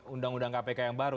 undang undang kpk yang baru